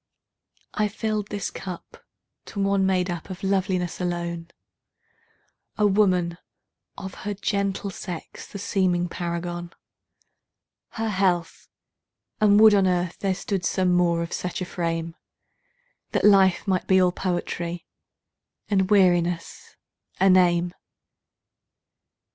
I filled this cup to one made up of loveliness alone,A woman, of her gentle sex the seeming paragon—Her health! and would on earth there stood some more of such a frame, That life might be all poetry, and weariness a name.